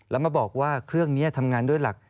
แล้วมาบอกว่าเครื่องนี้ทำงานด้วยหลัก